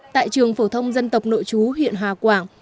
tại trường phổ thông dân tộc nội chú huyện hà quảng